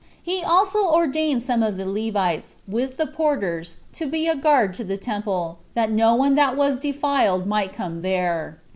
He also ordained some of the Levites, with the porters, to be a guard to the temple, that no one that was defiled might come there.